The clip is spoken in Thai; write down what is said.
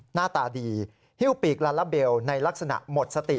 หน้าตาดีฮิ้วปีกลาลาเบลในลักษณะหมดสติ